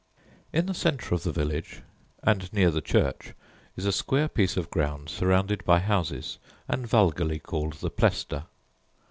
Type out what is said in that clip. In the centre of the village, and near the church, is a square piece of ground surrounded by houses, and vulgarly called the Plestor.